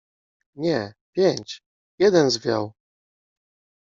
- Nie, pięć; jeden zwiał.